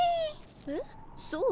えっそう？